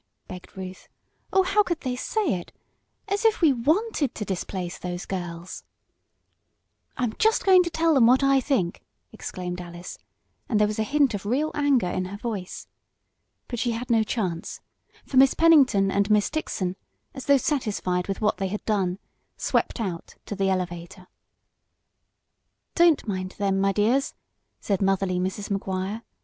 begged Ruth. "Oh, how could they say it as if we wanted to displace those girls." "I'm just going to tell them what I think!" exclaimed Alice, and there was a hint of real anger in her voice. But she had no chance, for Miss Pennington and Miss Dixon, as though satisfied with what they had done, swept out to the elevator. "Don't mind them, my dears," said motherly Mrs. Maguire.